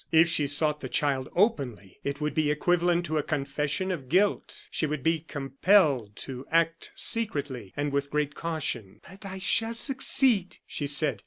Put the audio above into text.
If she sought the child openly, it would be equivalent to a confession of guilt. She would be compelled to act secretly, and with great caution. "But I shall succeed," she said.